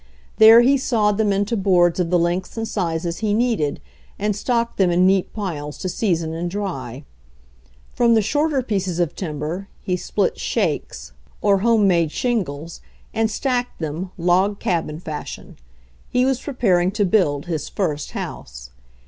There he sawed them into boards of the lengths and sizes he needed and stocked them in neat piles to season and dry. From the shorter pieces of timber he split "shakes," or homemade 48 HENRY FORD'S OWN STORY shingles, and stacked them, log cabin fashion. He was preparing to build his first house.